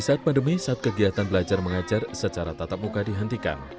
saat pandemi saat kegiatan belajar mengajar secara tatap muka dihentikan